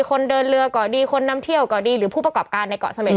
คนเดินเรือก็ดีคนนำเที่ยวก็ดีหรือผู้ประกอบการในเกาะเสม็ด